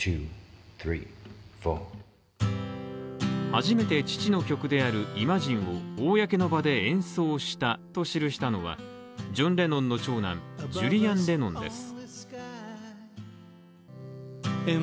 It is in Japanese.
初めて父の曲である「ＩＭＡＧＩＮＥ」を公の場で演奏したと記したのはジョン・レノンの長男ジュリアン・レノンです。